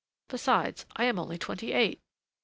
Besides, I am only twenty eight!